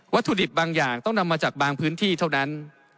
ถุดิบบางอย่างต้องนำมาจากบางพื้นที่เท่านั้น